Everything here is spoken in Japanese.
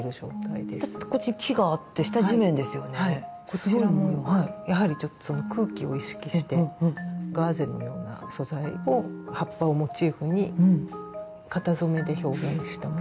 こちらもやはりちょっと空気を意識してガーゼのような素材を葉っぱをモチーフに型染めで表現したものです。